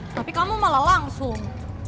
tapi kamu malah langsung